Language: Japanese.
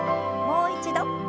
もう一度。